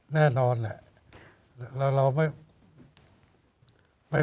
แน่นอนแล้วเราไป